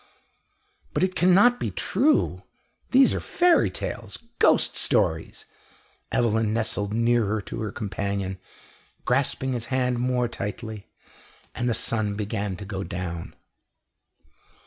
"But it cannot be true these are fairy tales ghost stories!" Evelyn nestled nearer to her companion, grasping his hand more tightly, and the sun began to go down.